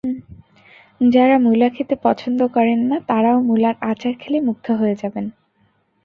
যারা মুলা খেতে পছন্দ করেন না, তারাও মুলার আচার খেলে মুগ্ধ হয়ে যাবেন।